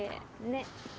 ねっ。